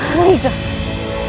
aku sudah tidak kuat lagi